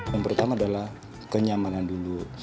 yang pertama adalah kenyamanan dulu